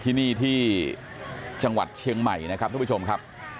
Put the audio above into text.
ที่นี่ที่จังหวัดเชียงใหม่นะครับทุกผู้ชมครับ